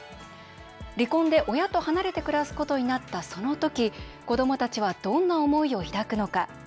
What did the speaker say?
離婚で親と離れて暮らすことになったその時子どもたちはどんな思いを抱くのか。